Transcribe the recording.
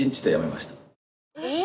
えっ！